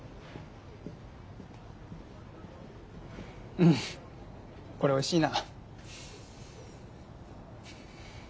うんこれおいしいな。